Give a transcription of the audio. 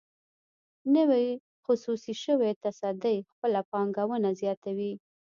نوې خصوصي شوې تصدۍ خپله پانګونه زیاتوي.